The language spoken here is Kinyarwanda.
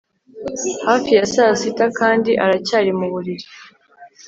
Hafi ya saa sita kandi aracyari mu buriri